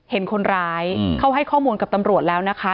เห็นคนร้ายเขาให้ข้อมูลกับตำรวจแล้วนะคะ